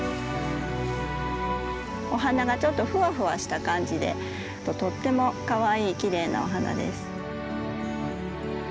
お花がちょっとふわふわした感じでとってもかわいいきれいなお花です。